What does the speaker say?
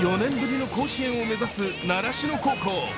４年ぶりの甲子園を目指す習志野高校。